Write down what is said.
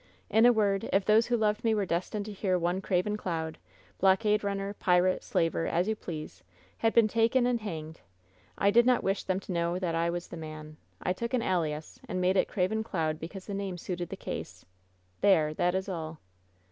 In a word — if those who loved me were destined to hear one Craven Cloud — blockade runner, pirate, slaver, as you please — had been taken and hanged, I did not wish them to know that I was the man. I took an alias, and I made it Craven Cloud because the name suited the case. There! that is all."